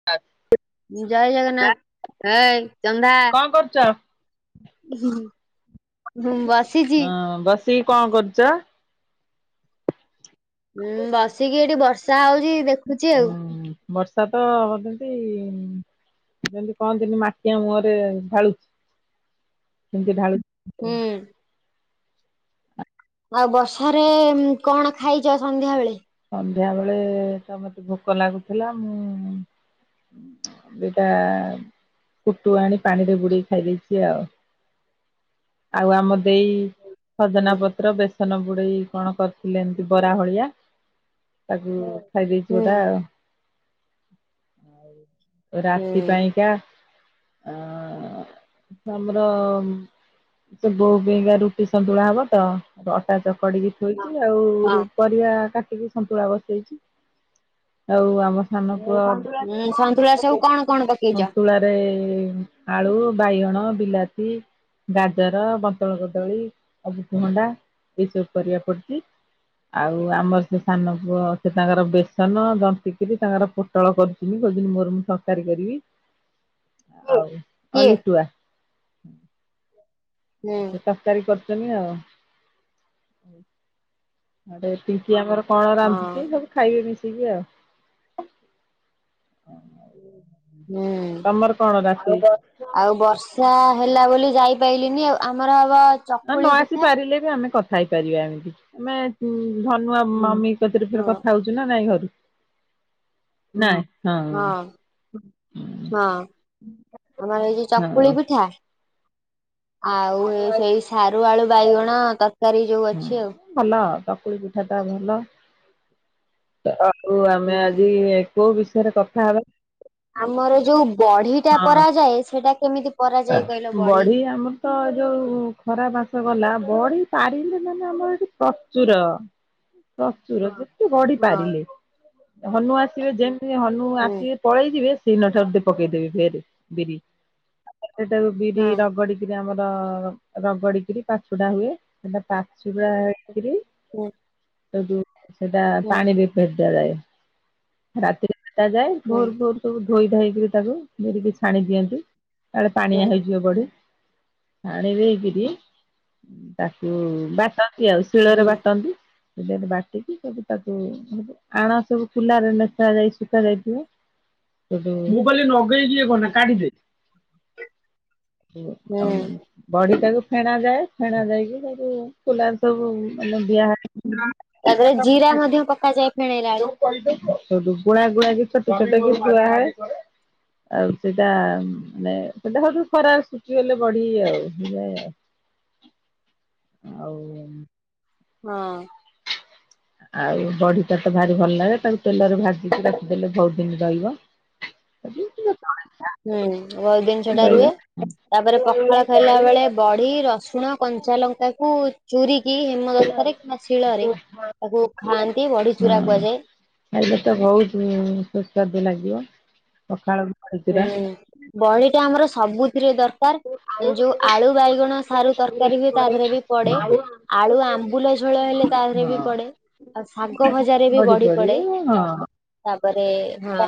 [unintelligible] ଜୟ ଜଗନ୍ନାଥ ହଇ ଚନ୍ଦା। କଣ କରୁଚ? ହୁଁ। ହୁଁ ବାସି ହଁ ବସିକି କଣ କରୁଚ? ହୁଁ ବସିକି ଏଠି ବର୍ଷା ହଉଚି ଦେଖୁଚି ଆଉ। ହୁଁ ବର୍ଷା ତ [unintelligible] ଯେମିତି କହନ୍ତିମି ମାଠିଆ ମୁହଁରେ ଢାଳୁଚି ସେମିତି ଢାଳୁଚି। ହୁଁ। ଆଉ ବର୍ଷାରେ କଣ ଖାଇଚ ସନ୍ଧ୍ୟାବେେଳେ? ସନ୍ଧ୍ୟା ବେଳେ ତ ମତେ ଭୋକ ଲାଗୁଥିଲା ମୁଁ ଦି ଟା କୁଟୁ ଆଣି ପାଣିରେ ବୁଡେଇ ଖାଇ ଦେଇେଇଚି ଆଉ। ଆଉ ଆମ ଦେଇ ହୁଁ ସଜନା ପତ୍ର ବେସନ ବୁଡ଼େଇ କଣ କରିଥିଲେ ଏମିତି ବରାହଳିଆ ତାକୁ ଖାଇ ଦେଇେଇଚି ହୁଁ ଗୋଟା ଆଉ। ହୁଁ ରାତି ପାଇଁକା ଅ ଆମର ସେ ବୋଉ ପେଇଁକା ରୁଟି ସନ୍ତୁଳା ହବ ତ ଅଟା ଚକଡିକି ଥୋଇଚି ହଁ ଆଉ ପରିବା କାଟିକି ସନ୍ତୁଳା ବସେଇଚି। ଆଉ ଆମ ସାନ ପୁଅ ହୁଁ ସନ୍ତୁଳା ସବୁ କଣ କଣ ପକେଇଚ? ସନ୍ତୁଳାରେ ଆଳୁ ବାଇଗଣ ବିଲାତି ଗାଜର ବନ୍ତର କଦଳୀ ଆବୁକଭଣ୍ଡା ଏସବୁ ପରିବା ପଡିଚି। ଆଉ ଆମର ସେ ସାନ ପୁଅ ସେ ତାଙ୍କର ବେସନ ଯନ୍ତିକିରି ତାଙ୍କର ପୋଟଳ କରୁଚିନି କହୁଚନ୍ତି ମୋର ମୁଁ ତରକାରୀ କରିବି। ଆଉ ହଁ କିଏ? ଲିଟୁଆ ହୁଁ ଆ ସେ ତରକାରୀ କରୁଚନ୍ତି ଆଉ। ଆଡେ ପିଙ୍କି ଆମର କଣ ହଁ ରାନ୍ଧିଚି ସବୁ ଖାଇବେ ମିଶିକି ଆଉ। ହୁଁ। ତମର କଣ ରାତି ଆଉ ବର୍ଷା ହେଲା ବୋଲି ଯାଇପାରଲିିନି ଆଉ। ଆମର ବା ନ ଆସି ପାରିଲେ ବି ଆମେ କଥା ହେଇପାରିବା ଏମିତି ଆମେ ଧନୁଆ ମମି ସାଥିରେ ଫରେ ହଁ କଥା ହଉଚୁ ନା ନାଇଁ ଘରୁ। ନାଇଁ ହଁ ହଁ। ହଁ। ଆମର ଏଇ ଯଉ ହଁ। ଚକୁଳି ପିଠା ଆଉ ଏ ସେଇ ସାରୁ ଆଳୁ ବାଇଗଣ ତରକାରୀ ଯୋଉ ହଁ ଅଛି ଆଉ। ଭଲ ତକୁଳି ପିଠା ଟା ଭଲ ଆଉ ଆମେ ହୁଁ। ଆଜି କୋଉ ବିଷୟରେ କଥା ହବା। ଆମର ଯୋଉ ବଢିଟା ହଁ। ପରା ଜାଏ ସେଟା କେମିତି ପରାଯାଏ କହିଲ ବଢି ଆମର ତ ଯୋଉ ଖରା ମାସ ଗଲା ବଢି ପାରିଲେ ମାନେ ଆମର ଏଠି ପ୍ରଚୁର। ପ୍ରଚୁର ସେତେ ବଢି ହଁ। ପାରିଲେ ହନୁ ଆସିବେ ଯେମିତି ହନୁ ହୁଁ ଆସିବେ ପଳେଇ ଯିବେ ସିିନ ଠାରୁ ପକେଇଦେବେ ଫେରେ ବିରି ସେଟାକୁ ବିରି ହଁ ରଗଡି ଆମର ରଗଡିକରି ପାଛୁଡା ହୁଏ ସେଟା ପାଛୁଡା ହେକରି ହୁଁ। ସେଟୁ ସେଟା ହୁଁ ପାଣି ବି ଫେରି ଦିଆଯାଏ ରାତିରେ ଭେଦା ଯାଏ ହୁଁ ଭୋରୁ ଭୋରୁ ସବୁ ଧୋଇ ଧାଇକରିକି ତାକୁ ଧରିକି ଛାଣି ଦିଅନ୍ତି। କାଳେ ପାଣିଆ ହୁଁ ହେଇଯିବ ବଢି। ପାଣି ଦେଇକିରି ତାକୁ ବାଟନ୍ତି ଆଉ ହୁଁ ଶିଳରେ ବାଟନ୍ତି। ବାଟିକି ସବୁ ତାକୁ ଆଣ ସବୁ କୁଲାରେ ମେସ ଯାଇ ଶୁଖା ଯାଇଥିବ। ସେଟୁ ହୁଁ। ବଢିଟାକୁ ଫେଣା ଯାଏ ଫେଣା ଯାଇକି ତାବୁ କୁଲାରେ ସବୁ ମାନେ ଦିଆ ତାପରେ ଜିରା ମଧ୍ୟ ପକାଯାଏ ଫେଣେଇଲା ବେଳେ। ଗୁଳା ଗୁଳା କି ଛୋଟ ଛୋଟ କି ଥୁଆହୁଏ। ଆଉ ସେଇଟା ମାନେ ସେଟା ସବୁ ଖରାରେ ସୁକିଗଲେ ବଢି ଆଉ। ଆଉ। ହଁ। ଆଉ ବଢିଟା ତ ଭାରି ଭଲ ଲାଗେ ତାକୁ ତେଲରେ ଭାଜିକି ତାକୁଦେଲେ ବହୁତ ଦିନି ରହିବ। ଆ ହୁଁ ବ ଦିନ ସେଟା ରୁହେ ତାପରେ ପଖାଳ ଖାଇଲା ବେଳେ ବଢି ବଢି ରସୁଣ କଞ୍ଚା ଲଙ୍କା କୁ ଚୁରୀ କି ହେମଦସ୍ତାରେ କିମ୍ବା ଶିଳରେ ତାକୁ ଖାଆନ୍ତି ବଢି ଚୁରା ହଁ କୁହାଯାଏ। ଖାଇଲେ ତ ବୋହୁତ ସୁସ୍ବାଦୁ ଲାଗିବ ପଖାଳ ବଡ଼ି ଚୁରା। ହୁଁ ବଢିଟା ଆମର ସବୁଥିରେ ଦରକା ହଁ ଦରକାର୍ ଯୋଉ ଆଳୁ ବାଇଗଣ ସାରୁ ତରକାରୀ ହୁଏ ତା ଦେହରେ ବି ପଡେ। ଆଳୁ ଆମ୍ବୁଲ ଝୋଳ ହେଲେ ତାରେ ବି ପଡେ ଆଉ ଶାଗ ଭଜାରେ ବି ବଢି ପଡିବ ପଡେ। ହଁ। ତାପରେ ହଁ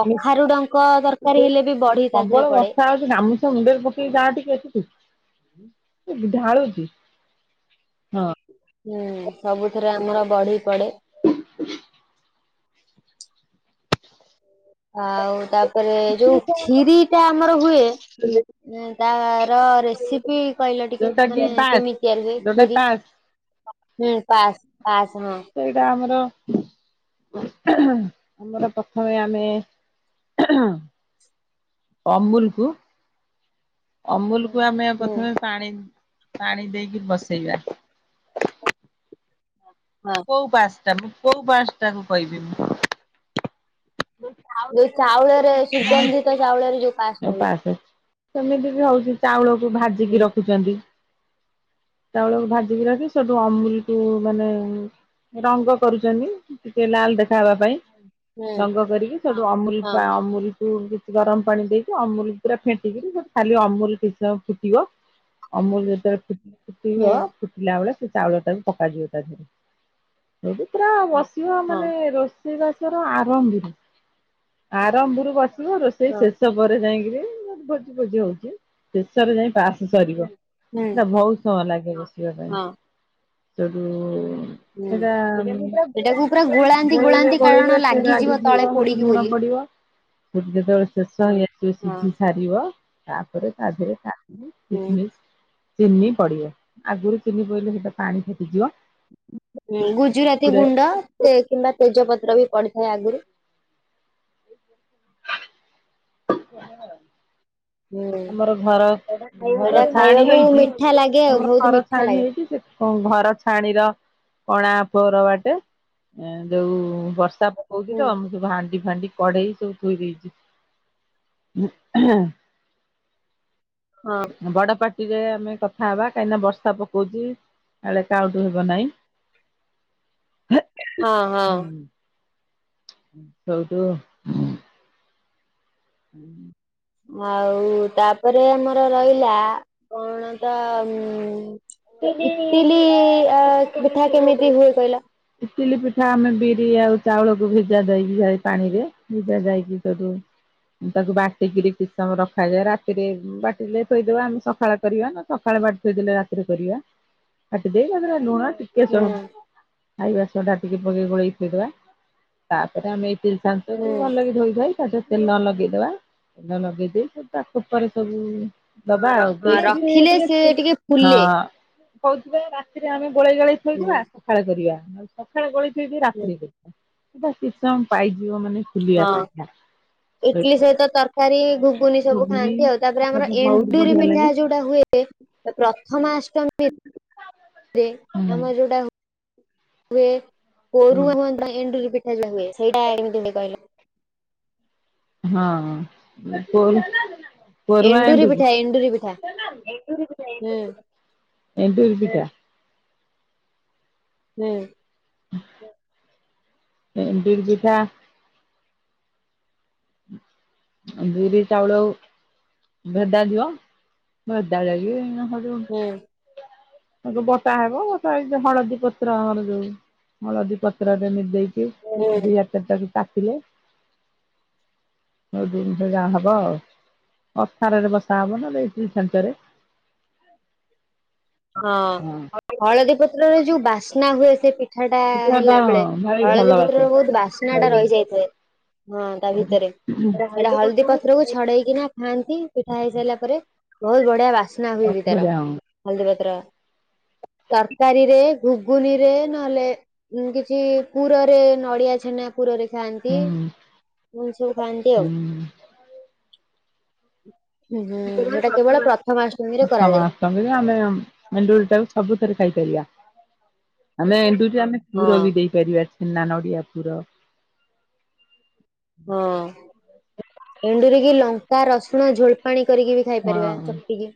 କଖାରୁଡଙ୍କ ତରକାରୀ ହେଲେ ବି ବଢି ପ୍ରବଳ ତାଦରେ ପଡେ। ବର୍ଷା ଗାମୁଛା ମୁଣ୍ଡରେ ପକେଇ ଯାହା ଟିକେ ସେଟିକି ଝାଳୁଚି। ହୁଁ ସବୁଥିରେ ଆମର ବଢି ପଡେ। ଆଉ ତାପରେ ଯୋଉ ଖିରି ଟା ଆମର ହୁଏ। ତାର ରେସିପି କହିଲ ଟିକେ ଯୋଉଟା କି ମାନେ ପାସ୍ କେମିତି ତିଆରି ହୁଏ ଯୋଉଟା ଖିରି। ପାସ୍ ହୁଁ ପାସ୍ ପାସ୍ ହଁ। ସେଇଟା ଆମର ଆମର ପ୍ରଥମେ ଆମେ ଅମୁଲକୁ ଅମୁଲକୁୁ ଆମେ ହୁଁ ପ୍ରଥମେ ପାଣି ପାଣି ଦେଇକି ବସେଇବା। ହଁ। କୋଉ ପାସଟା ମୁଁ କୋଉ ପାସଟା କୁ କହିବି ମୁଁ ଯୋଉ ପାସେ ଚାଉଳରେ ସେମିତି ସୁଗନ୍ଧିତ ଚାଉଳରେ ଯୋଉ ପାସ୍ ଟା ବି ହୁଏ। ହଉଚି ଚାଉଳକୁ ହୁଁ ଭାଜିକି ରଖୁଚନ୍ତି। ଚାଉଳକୁ ଭାଜିକି ରଖି ସେଠୁ ଅମୁଲକୁୁ ମାନେ ରଙ୍ଗ କରୁଚନ୍ତି ଟିକେ ଲାଲ ଦେଖା ହେବା ପାଇଁ। ହୁଁ ରଙ୍ଗ କରିକି ସେଟୁ ଅମୁଲ ପାଁ ହଁ ଅମୁଲ କିଛି ଗରମ ପାଣି ଦେଇକି ଅମୁଲ ପୁରା ଫେଟିକିରି ଖାଲି ଅମୁଲ କିଛିସମୟ ଫୁଟିବ। ଅମୁଲ ଯେତେବେଳେ ଫୁ ଫୁଟିବ ହୁଁ ଫୁଟିଲା ବେଳେ ସେ ଚାଉଳ ଟାକୁ ପକାଯିବ ତା ଦିହରେ। ସେଇଠୁ ପୁରା ବସିବ ହଁ ମାନେ ରୋଷେଇ ବାସ ଆରମ୍ଭରୁ ଆରମ୍ଭରୁ ବସିବ ରୋଷେଇ ହଁ ଶେଷ ପରେ ଯାଇକିରି ଭୋଜି ଭୋଜି ହଉଛି ଶେଷରେ ଯାଇ ପାଆସ ସରିବ ହୁଁ ସେଟା ଭହୁତ ସମୟ ଲାଗେ ବସିବା ପାଇଁ ହଁ ସେଇଠୁ ହୁଁ ସେଟା ଏଇଟାକୁ ପୁରା ଗୋଳାନ୍ତି ଗୋଳେଇବେ ଗୋଳାନ୍ତି ଗୋଳେଇବେ କାରଣ ସେ ଲାଗିଯିବ ତଳେ ସେଟୁ ପୋଡିକି ଲୁଣ ବୋଲି। ପଡି ଯେତେବେଳେ ଶେଷ ହେଇ ଆସିବ ହଁ ସିଝି ସାରିବ ତାପରେ ତା ଦିଅରେ କାଜୁ ହୁଁ କିସ୍ ମିସ୍। ଚିନି ପଡିବନି ଆଗରୁ ଚିନି ପଇଲେ ସେଟା ପାଣି ଫାଟିଯିବ। ଗୁଜୁରାତି ପୁରା ଗୁଣ୍ଡ କିମ୍ବା ତେଜପତ୍ର ବି ପଡିଥାଏ ଆଗୁରୁ। [unintelligible] ହୁଁ ଆମର ଘର ଘର ସେଟା ଛାଆଣି ଖାଇବାକୁ ହେଇଚି ମିଠା ଲାଗେ ଆଉ ଆମର ବହୁତ ଘର ମିଠା ଛାଆଣି ଲାଗେ। ହେଇଛି ସେ ଘର ଛାଆଣିର କଣା ପୋର ବାଟେ ଯୋଉ ବର୍ଷା ହୋଉଚି ହୁଁ ତ ତ ମୁଁ ସବୁ ହାଣ୍ଡି ଫାଣ୍ଡି କଢେଇ ସବୁ ଥୋଇ ଦେଇଚି। ହଁ। ବଡ ପାଟିରେ ଆମେ କଥା ହେବା କାହିଁକିନା ବର୍ଷା ପକଉଛି। କାଳେ ସାଉଣ୍ଡ ହେବ ନାହିଁ। ହଁ ହଁ। ସେଇଠୁ [inaudible] ଆଉ ତାପରେ ଆମର ରହିଲା କଣ ତ ଉଁ ଇଟିଲି ଏଁ ପିଠା କେମିତି ହୁଏ କହିଲ? ଇଟିଲି ପିଠା ଆମେ ବିରି ଆଉ ଚାଉଳକୁ ଭିଜା ଜାଇକି ଯାଏ ପାଣିରେ ଭିଜା ଯାଇକି ତାକୁ ତାକୁ ବାଟିକିରି କିଛି ସମୟ ରଖାଯାଏ ରାତିରେ ବାଟିଲେ ଥୋଇଦବା ଆମେ ସଖାଳେ କରିବା ନା। ସକାଳେ ବାଟି ଥୋଇଦେଲେ ରାତିରେ କରିବା ବାଟି ଦେଇ ତାଥିରେ ଲୁଣ ଟିକେ ସୋ ହୁଁ ଖାଇବା ସୋଡା ଟିକେ ପକେଇ ଗୋଳେଇ ଥୋଇଦବା ତାପରେ ଆମେ ଇଟିଲି ହୁଁ। ଚ୍ଛାଞ୍ଚକୁୁ ଭଲକି ଧୋଇ ଧୁଆଇ ତାଦେହରେ ତେଲ ଲଗେଇଦବା ତେଲ ଲଗେଇ ଦେଇ ସବୁ ତାକୁ ଖୋପରେ ସବୁ ଦବା ଆଉ ହଁ ରଖିଲେ ସେ ଦେଇକିରୀ ଟିକେ ହଁ ଫୁଲେ। କହୁଚି ପା ରାତିରେ ଆମେ ଗୋଳେଇ ଗାଳେଇ ହୁଁ ଥୋଇଦବା ସଖାଳେ କରିବା। ସଖାଳେ ଗୋଳେଇ ଥିବି ହୁଁ ରାତିରେ କରୀମି ସେ ତାର କିଛି ସମୟ ପାଇଯିବ ମାନେ ଫୁଲିବା ହଁ ପାଇଁକା। ଇଟିଲି ସହିତ ତର କାରି ଘୁଗୁନି ସବୁ ଖାଆନ୍ତି ଆଉ ତାପରେ ସେଟା ଆମର ତ ବହୁତ ଏଣ୍ଡୁରି ବଢିଆ ପିଠା ଲାଗେ ଯୋଉଟା ହୁଏ। ପ୍ରଥମାଅଷ୍ଟମୀରେ ଆମର ଯୋଉ ହୁଏ ହୁଁ। କୋରୁଅ ହୁଅନ୍ତା ଏଣ୍ଡୁରି ପିଠା ଯୋଉ ହୁଏ ସେଇଟା କେମିତି ହୁଏ କହିଲ? ହଁ ହଁ କୋରୁ ପରୁହା ଏଣ୍ଡୁରି ହୁଁ ଏଣ୍ଡୁରି ପିଠା। ହୁଁ। ଏଣ୍ଡୁରି ପିଠା। ବିରି ଚାଉଳ ଭେଦାଜିବ ଭେଦା ଯାଇକି ଏଇନେ ସରିବ ହୁଁ ତାକୁ ବଟା ହେବ ବଟା ହେଇକି ହଳଦୀ ପତ୍ର ଆମର ଯୋଉ। ହଳଦୀ ପତ୍ରରେ ନିଦେଇକି ହୁଁ ଦି ହାତରେ ତାକୁ କାଟିଲେ। ଜିନିଷ ଯାହା ହବ ଆଉ ଅଥାରରେ ବସା ହବ ନହେଲେ ଇଟିଲି ଚ୍ଛାଞ୍ଚରେ। ହଁ ହଳଦୀ ପତ୍ରରେ ଯୋଉ ବାସ୍ନା ହୁଏ ସେ ପି ପିଠା ଟା ପିଠାଟା ହେଲା ବେଳେ ଭାରି ଭଲ ହଳଦୀ ବାସେ। ପତ୍ରର ହୁଁ ବହୁତ ବାସ୍ନା ଟା ରହିଯାଇଥାଏ। ହଁ ତା ଭିତରେ ସେଟା ହଳଦୀ ପତ୍ରକୁ ଛଡେଇକିନା ଖାଆନ୍ତି ପିଠା ହେଇସାରିଲା ପରେ ବହୁତ ବଢିଆ ବାସ୍ନା ହୁଏ ବି ତାର ବଢିଆ ହୁଁ ହଲଦୀ ପତ୍ରର। ତରକାରୀରେ ଘୁଗୁନି ରେ ନହେଲେ କିଛି ପୁରରେ ନଡିଆ ଛେନା ପୁରରେ ଖାଆନ୍ତି ଏମିତି ସବୁ ଖାଆନ୍ତି ହୁଁ। ଆଉ। ହୁଁ ହୁଁ ସେଇଟା କେବଳ ପ୍ରଥମାଷ୍ଟମୀରେ କରାଯାଏ। ତମେ ବା ଆମେ ଏଣ୍ଡୁରି ଟାକୁ ସବୁଥରେ ଖାଇପାରିବା ଆମେ ଏଣ୍ଡୁରି ଆମେ ପୁର ହଁ ବି ଦେଇ ପାରିବା ଛେନା ନଡିଆ ପୁର। ହଁ ଏଣ୍ଡୁରି କି ଲଙ୍କା ରସୁଣ ଝୋଳ ପାଣି କରିକି ବି ଖାଇପାରିବା ହଁ। ଚକୁଟିକୀ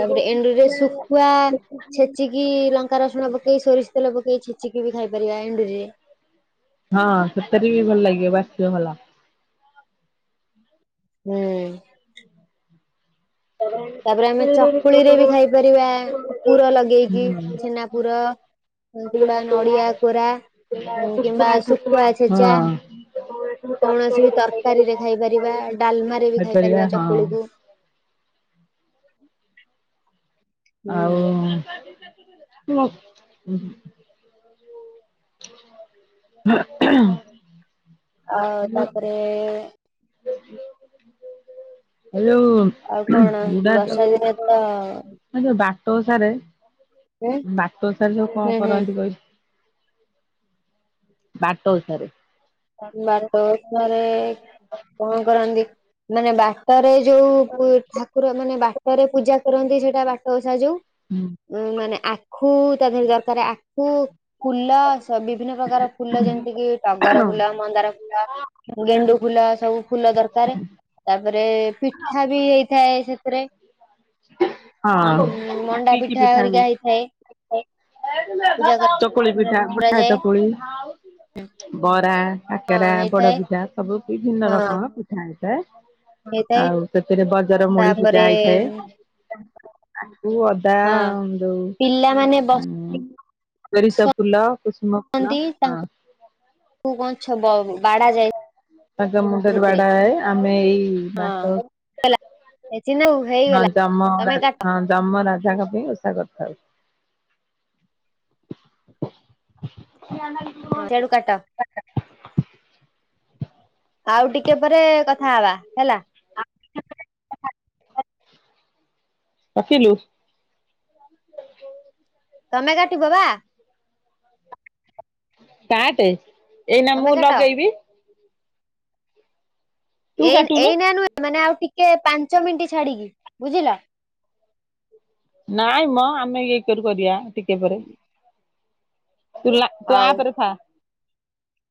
ତାପରେ ଏଣ୍ଡୁରି ରେ ଶୁଖୁଆ ଛେଚି ଚିକି ଲଙ୍କା ରସୁଣ ପକେଇ ସୋରିଷ ତେଲ ପକେଇ ଛେଚିକି ବି ଖାଇପାରିବା ଏଣ୍ଡୁରିରେ। ହଁ ସେଥିରେ ବି ଭଲ ଲାଗିବ ବାସିବେ ଭଲ। ହୁଁ। ତାପରେ ଆମେ ହୁଁ। ଚକୁଳି ରେ ବି ଖାଇପାରିବା ପୁର ଲଗେଇକି ଛେନା ପୁର ହଉ କିମ୍ବା ନଡ଼ିଆ କୋରା। ହୁଁ କିମ୍ବା ଶୁଖୁଆ ଛେଚା କୌଣସି ବି ତର ରକାରୀରେ ଖାଇପାରିବା ହଁ। ଡାଲମାରେ ବି ଖାଇପାରିବା ଚକୁଳିକୁ। ଆଉୁ [inaudible] ଆଉ ତାପରେ ହ୍ଯାଲୋ। ଆଉ କଣ ବର୍ଷା ଦିନେ ତ ଆ ଯୋଉ ବାଟଓସାରେ ହୁଁ ବାଟଓସାରେ ସବୁକଣ ହୁଁ ହୁଁ କରନ୍ତି କହିଲୁ। ବାଟଓସାରେ। ବାଟଓସାରେ କଣ କରନ୍ତି ମାନେ ବାଟରେ ଯୋଉ ଉ ଠାକୁର ମାନେ ବାଟରେ ପୂଜା କରନ୍ତି ସେଇଟା ବାଟ ଓସା ଯୋଉ। ହୁଁ। ଉ ମାନେ ଆଖୁ ତା ଦେହରେ ଦରକାର ଆଖୁ ଫୁଲ ଲ ସ ବିଭିନ୍ନ ପ୍ରକାର ଫୁଲ ଯେମିତି କି ଟଗର ଫୁଲ ମନ୍ଦାର ଫୁଲ ଗେଣ୍ଡୁ ଫୁଲ ସବୁ ଫୁଲ ଦରକାର। ତାପରେ ପିଠା ବି ହେଇଥାଏ ସେଥିରେ। ନା ହଁ ମଣ୍ଡା କି କି ପିଠା ହୁଏ? ହରିକା ହେଇଥାଏ। ପୂଜା କର ପୋଳି ପିଠା ଅଟା ଚକୁଳି। ହଁ ବରା କାକରା ପୋଡ ହେଇଥାଏ ପିଠା ସବୁ ବିଭିନ୍ନ ହଁ ରକମର ପିଠା ହେଇଥାଏ। ହେଇଥାଏ ଆଉ ସେଥିରେ ବଜରମୂଳି ପୂଜା ତାପରେ ହେଇଥାଏ। ଉଁ, ଆଖୁ ଅଦା ହଁ ଯୋଉ ପିଲାମାନେ ଉଁ ସସୋରିସ ଫୁଲ କୁସୁମ ଫୁଲ ହଁ। ପାଁ ଛବ ବାଡ଼ା ଯାଏ। ପାଞ୍ଚ ମୁଣ୍ଡରେ ସେଥିରେ ବାଡା ହଏ ଆମେ ଏଇ ବାଟ ହଁ ଚିନୁ ହେଇଗଲା ନହେ ଜମ ତମେ କାଟ ଜମରାଜାଙ୍କପାଇଁ ଓଷା କରିଥାଉ। [unintelligible] ସିଆଡୁ କାଟ। [inaudible] ଆଉ ଟିକେ ପରେ କଥା ହବା ହେଲା। [unintelligible] କାଟିଲୁ। ସେଇଯୋଉ ତମେ କାଟିବ ବା। କାଟେ ଏଇନା ତମେ ମୁଁ କାଟ ଲଗେଇବି। ତୁ ଏଇନ କାଟୁନୁ। ଏଇନା ନୁହେଁ ମାନେ ଆଉ ଟିକେ ପାଞ୍ଚ ମିନିଟ ଛାଡିକି ବୁଝିଲ। ନାଇଁ ମ ଆମେ ଇଏ କରୁ କରିବା ଟିକେ ପରେ। ତୁ ଲା ତୁ ହଉ। ଆପରେ ଥା।